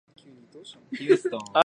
アイルランド